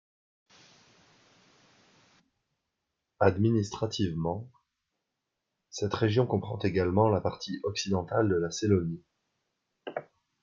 Administrativement, cette région comprend également la partie occidentale de la Sélonie.